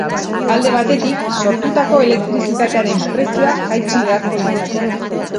Alde batetik, sortutako elektrizitatearen prezioa jaitsi beharko litzateke.